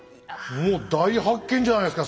もう大発見じゃないですかそれ。